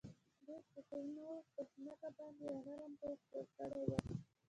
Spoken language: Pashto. دې ستنو په ځمکه باندې یو نرم پوښ جوړ کړی و